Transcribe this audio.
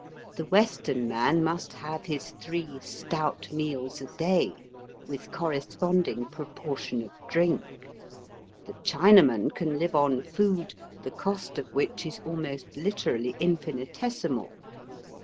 The Western man must have his three stout meals a day, with corresponding proportion of drink. The Chinaman can Kve on food the cost of which is almost hterally infinitesimal.